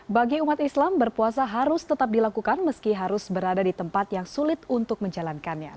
bagi umat islam berpuasa harus tetap dilakukan meski harus berada di tempat yang sulit untuk menjalankannya